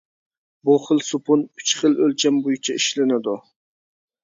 بۇ خىل سوپۇن ئۈچ خىل ئۆلچەم بويىچە ئىشلىنىدۇ.